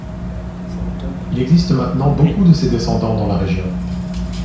Il existe maintenant beaucoup de ses descendants dans la région.